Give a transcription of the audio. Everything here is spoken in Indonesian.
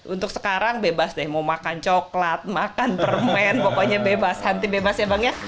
untuk sekarang bebas deh mau makan coklat makan permen pokoknya bebas hanti bebas ya bang ya